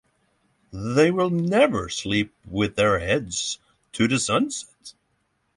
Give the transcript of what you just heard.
They will never sleep with their heads to the sunset.